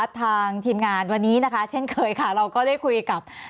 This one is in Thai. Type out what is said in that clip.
ทางทีมงานวันนี้นะคะเช่นเคยค่ะเราก็ได้คุยกับ